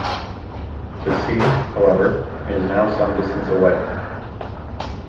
The sea, however, is now some distance away.